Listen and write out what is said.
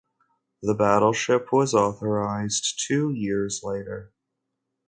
The battleship was authorized two years later.